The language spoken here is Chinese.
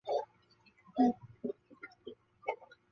一切一切使民主党的声势进一步滑落。